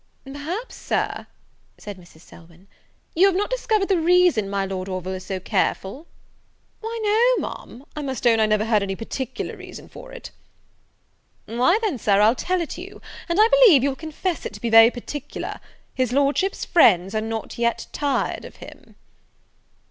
"Perhaps, Sir," said Mrs. Selwyn, "you have not discovered the reason my Lord Orville is so careful?" "Why, no, Ma'am; I must own I never heard any particular reason for it." "Why, then, Sir, I'll tell it you; and I believe you will confess it to be very particular; his Lordship's friends are not yet tired of him."